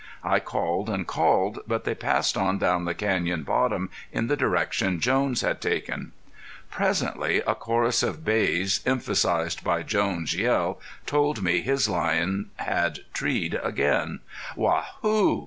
I called and called, but they passed on down the canyon bottom in the direction Jones had taken. Presently a chorus of bays, emphasized by Jones' yell, told me his lion had treed again. "Waa hoo!"